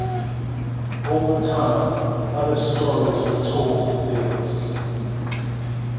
Over time, other stories were told of Daedalus.